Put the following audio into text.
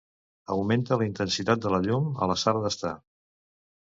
Augmenta la intensitat de la llum a la sala d'estar.